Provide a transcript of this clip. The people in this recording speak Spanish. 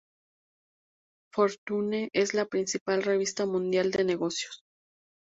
Fortune es la principal revista mundial de negocios.